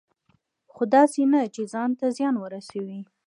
خو داسې نه چې ځان ته زیان ورسوي.